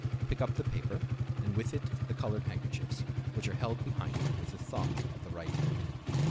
Pick up the paper, and with it the colored handkerchiefs, which are held behind it with the thumb of the right hand.